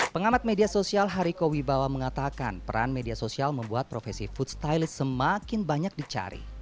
pengamat media sosial hariko wibawa mengatakan peran media sosial membuat profesi food stylist semakin banyak dicari